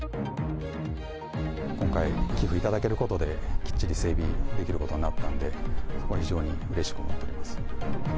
今回、寄付を頂けることで、きっちり整備できることになったんで、非常にうれしく思っております。